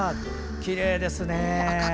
きれいですね。